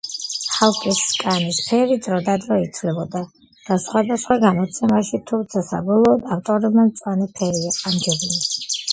ჰალკის კანის ფერი დროდადრო იცვლებოდა სხვადასხვა გამოცემებში, თუმცა საბოლოოდ ავტორებმა მწვანე ფერი ამჯობინეს.